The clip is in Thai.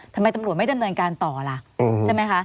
ทำไมตำรวจไม่ดำเนินการต่อล่ะใช่ไหมคะ